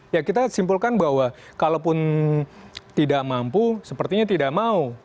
ya kita simpulkan bahwa kalaupun tidak mampu sepertinya tidak mau